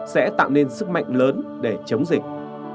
sẽ tạo nên sức mạnh lớn để chống dịch